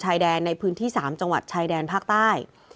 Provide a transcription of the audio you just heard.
ชายแดนในพื้นที่๓จังหวัดชายแดนภาคใต้